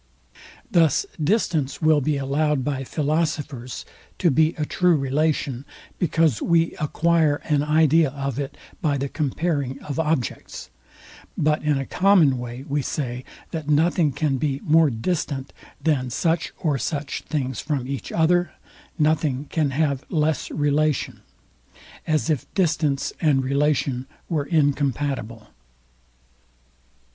Thus distance will be allowed by philosophers to be a true relation, because we acquire an idea of it by the comparing of objects: But in a common way we say, THAT NOTHING CAN BE MORE DISTANT THAN SUCH OR SUCH THINGS FROM EACH OTHER, NOTHING CAN HAVE LESS RELATION: as if distance and relation were incompatible.